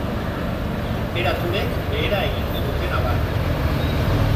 Tenperaturek behera egingo dute nabarmen.